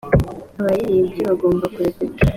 abaririmbyi bagomba kurepeta.